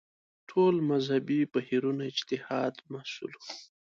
ټول مذهبي بهیرونه اجتهاد محصول وو